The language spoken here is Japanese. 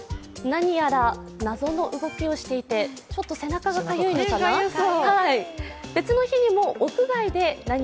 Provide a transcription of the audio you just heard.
何やら謎の動きをしていてちょっと背中がかゆいのかな？